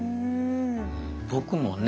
僕もね